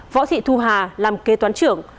võ thị thu hà làm kế toán trưởng